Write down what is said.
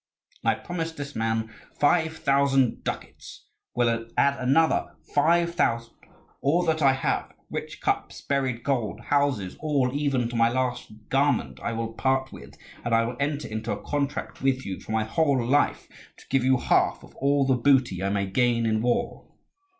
I promised this man five thousand ducats; I will add another five thousand: all that I have, rich cups, buried gold, houses, all, even to my last garment, I will part with; and I will enter into a contract with you for my whole life, to give you half of all the booty I may gain in war."